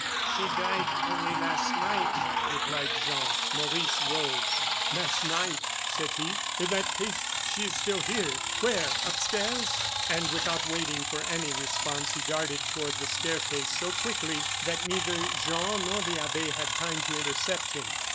"She died only last night," replied Jean. Maurice rose. "Last night?" said he. "In that case, then, she is still here. Where? upstairs?" And without waiting for any response, he darted toward the staircase so quickly that neither Jean nor the abbe had time to intercept him.